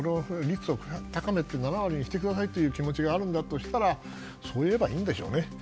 率を高めて７割にしてくださいという気持ちがあるんだとしたらそう言えばいいんでしょうね。